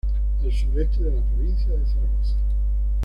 Al sureste de la provincia de Zaragoza.